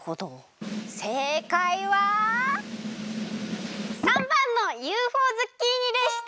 せいかいは③ばんのＵＦＯズッキーニでした！